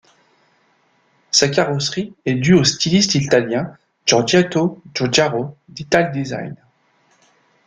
Sa carrosserie est due au styliste italien Giorgetto Giugiaro d'Italdesign.